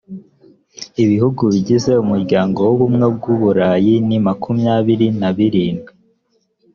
ibihugu bigize umuryango w ubumwe bw u burayi ni makumyabiri na birindwi